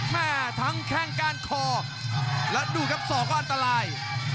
แม่ทั้งแข้งก้านคอแล้วดูครับศอกก็อันตราย